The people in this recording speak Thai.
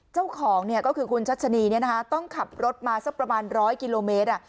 เจ้าของก็คือคุณชัชนีต้องขับรถมาสักประมาณ๑๐๐กิโลเมตร